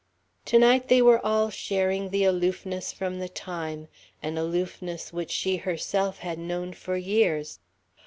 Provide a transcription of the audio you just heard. To night they were all sharing the aloofness from the time, an aloofness which she herself had known for years.